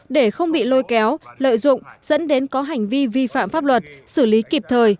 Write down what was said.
để không bị lôi kéo lợi dụng dẫn đến có hành vi vi phạm pháp luật xử lý kịp thời